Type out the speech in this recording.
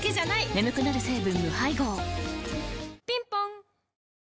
眠くなる成分無配合ぴんぽん